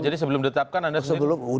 jadi sebelum ditetapkan